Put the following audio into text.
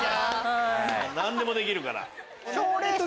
何でもできるから。